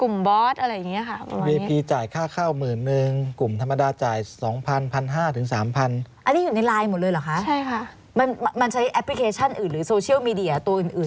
มันใช้แอปพลิเคชันอื่นหรือโซเชียลมีเดียตัวอื่น